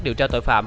điều tra tội phạm